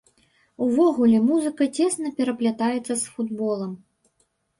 Увогуле музыка цесна пераплятаецца з футболам.